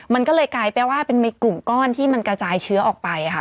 มันก็เลยกลายแปลว่าเป็นมีกลุ่มก้อนที่มันกระจายเชื้อออกไปค่ะ